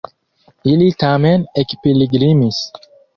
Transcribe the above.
Ili tamen ekpilgrimis.